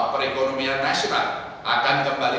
perekonomian nasional akan kembali